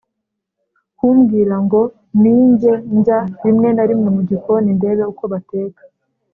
kumbwira ngo ninge njya rimwe na rimwe mu gikoni ndebe uko bateka